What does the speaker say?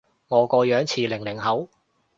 我個樣似零零後？